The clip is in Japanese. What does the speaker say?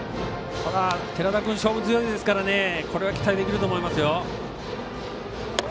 ただ、寺田君勝負強いですからこれは期待できると思いますよ。